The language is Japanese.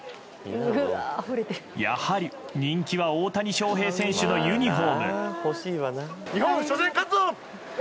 やはり、人気は大谷翔平選手のユニホーム。